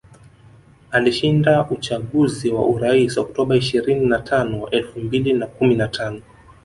Alishinda uchaguzi wa urais Oktoba ishirini na tano elfu mbili na kumi na tano